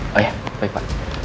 kasih tau papa